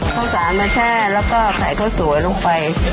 ข้าวสารมาแช่แล้วก็ใส่ข้าวสวยลงไป